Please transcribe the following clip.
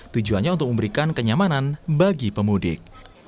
tujuannya untuk memberikan kenyamanan bagi pemudik